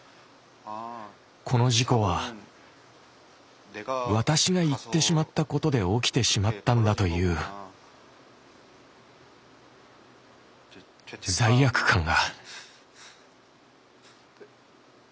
この事故は私が行ってしまったことで起きてしまったんだという罪悪感が。